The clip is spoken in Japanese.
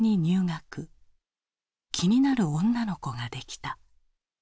気になる女の子ができた。